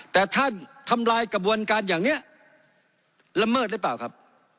แต่ท่านทำลายกระบวนการอย่างนี้ละเมิดหรือเปล่าครับ